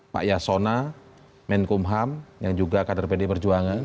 pak yasona menkumham yang juga kader pdi perjuangan